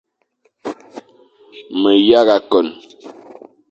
Me yagha kon,